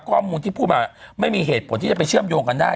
ข้อมูลที่พูดมาไม่มีเหตุผลที่จะไปเชื่อมโยงกันได้